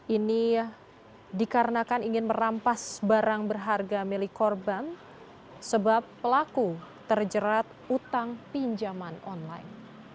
ini dikarenakan ingin merampas barang berharga milik korban sebab pelaku terjerat utang pinjaman online